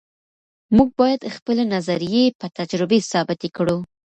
موږ باید خپلې نظریې په تجربه ثابتې کړو.